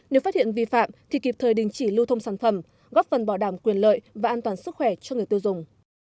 nếu phát hiện vi phạm thì kịp thời đình chỉ lưu thông sản phẩm góp phần bảo đảm quyền lợi và an toàn sức khỏe cho người tiêu dùng